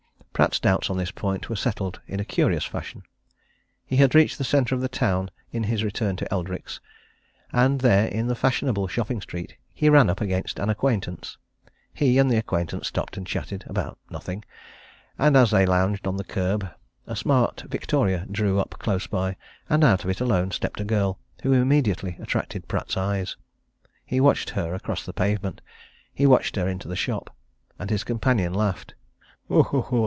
Pratt's doubts on this point were settled in a curious fashion. He had reached the centre of the town in his return to Eldrick's, and there, in the fashionable shopping street, he ran up against an acquaintance. He and the acquaintance stopped and chatted about nothing. And as they lounged on the curb, a smart victoria drew up close by, and out of it, alone, stepped a girl who immediately attracted Pratt's eyes. He watched her across the pavement; he watched her into the shop. And his companion laughed.